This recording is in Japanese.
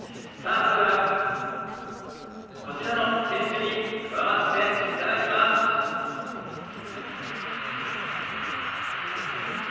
それではこちらの選手に加わっていただきます。